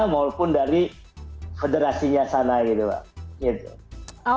maupun dari federasinya sana gitu pak